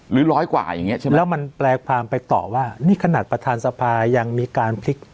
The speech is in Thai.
ร้อยกว่าอย่างเงี้ใช่ไหมแล้วมันแปลความไปต่อว่านี่ขนาดประธานสภายังมีการพลิก